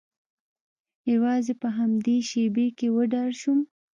یوازې په همدې شیبې کې وډار شوم